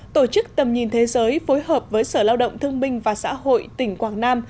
tổ chức tầm nhìn thế giới phối hợp với sở lao động thương minh và xã hội tỉnh quảng nam